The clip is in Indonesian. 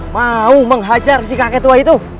mau menghajar si kakek tua itu